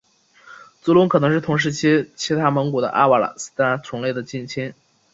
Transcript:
足龙可能是同时期其他蒙古的阿瓦拉慈龙类的近亲。